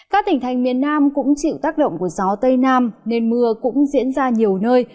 các tỉnh thành miền nam cũng chịu tác động của gió tây nam nên mưa cũng diễn ra nhiều nơi